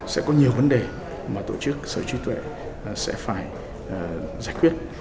sẽ có nhiều vấn đề mà tổ chức sở trí tuệ sẽ phải giải quyết